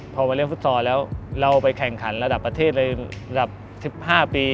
พอมาเล่นฟุตซอลแล้วเราไปแข่งขันระดับประเทศในระดับ๑๕ปี